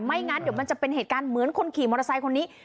งั้นเดี๋ยวมันจะเป็นเหตุการณ์เหมือนคนขี่มอเตอร์ไซค์คนนี้